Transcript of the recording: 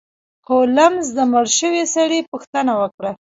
هولمز د مړ شوي سړي پوښتنه وکړه.